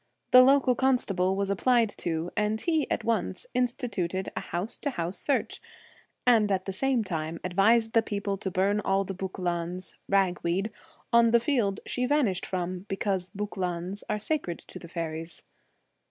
The local constable was applied to, and he at once instituted a house to house search, and at the same time advised the people to burn all the bucalauns (ragweed) on the field she vanished from, because bucalauns are sacred to the faeries.